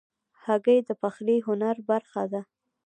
هګۍ د پخلي هنر برخه ده.